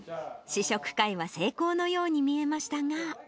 試食会は成功のように見えましたが。